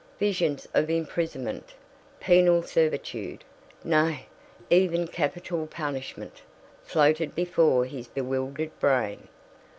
Visions of imprisonment, penal servitude, nay, even capital punishment, floated before his bewildered brain.